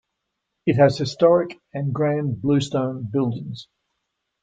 It has historic and grand bluestone buildings.